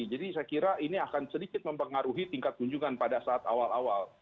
jadi saya kira ini akan sedikit mempengaruhi tingkat kunjungan pada saat awal awal